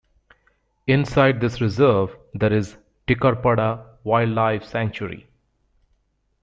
Inside this reserve there is Tikarapada Wildlife Sanctuary.